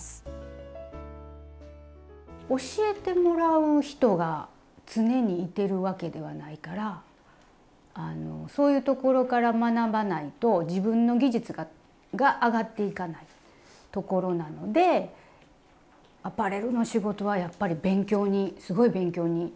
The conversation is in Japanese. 教えてもらう人が常にいてるわけではないからあのそういうところから学ばないと自分の技術が上がっていかないところなのでアパレルの仕事はやっぱり勉強にすごい勉強になる。